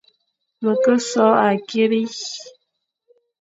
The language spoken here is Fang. Me ke so akiri,